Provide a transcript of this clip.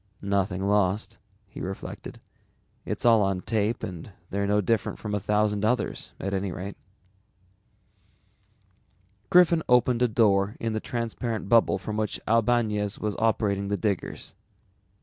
Nothing lost, he reflected. It's all on tape and they're no different from a thousand others at any rate. Griffin opened a door in the transparent bubble from which Albañez was operating the diggers.